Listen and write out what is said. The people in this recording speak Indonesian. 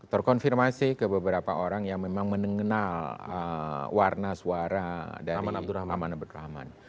terkonfirmasi ke beberapa orang yang memang mengenal warna suara dari abdurrahman abkrahman